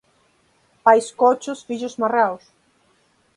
Pais cochos, fillos marraos